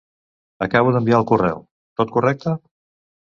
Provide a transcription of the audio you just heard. Acabo d'enviar el correu, tot correcte?